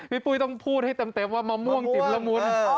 ปุ้ยต้องพูดให้เต็มว่ามะม่วงจิ๋มละมุน